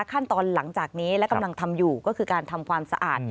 ขั้นตอนหลังจากนี้และกำลังทำอยู่ก็คือการทำความสะอาด